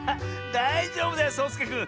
だいじょうぶだよそうすけくん。